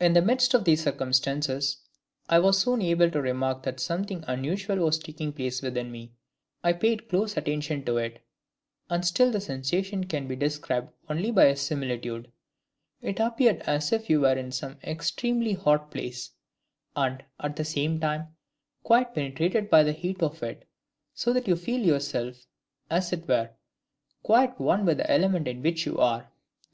"In the midst of these circumstances, I was soon able to remark that something unusual was taking place within me. I paid close attention to it, and still the sensation can be described only by similitude. It appeared as if you were in some extremely hot place, and, at the same time, quite penetrated by the heat of it, so that you feel yourself, as it were, quite one with the element in which you are.